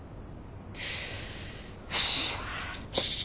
よし！